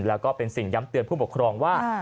แล้วก็เป็นสิ่งย้ำเตือนผู้ปกครองว่า